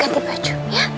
ganti baju ya